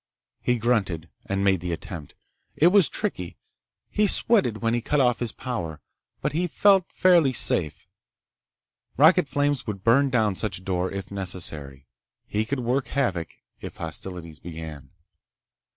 He grunted and made the attempt. It was tricky. He sweated when he cut off his power. But he felt fairly safe. Rocket flames would burn down such a door, if necessary. He could work havoc if hostilities began.